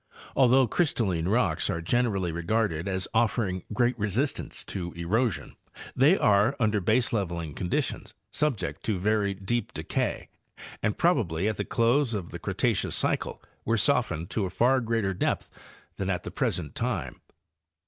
Although erystalline rocks are generally regarded as offering great resistance to erosion, they are, under baseleveling conditions, subject to very deep decay and probably at the close of the Cretaceous cycle were softened to a far greater depth than at the present time.